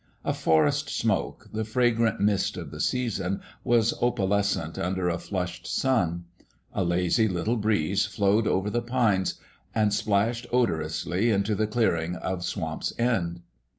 A forest smoke, the fragrant mist of the season, was opalescent under a flushed sun. A lazy little breeze flowed over the pines and splashed odorously into the clear ing of Swamp's End.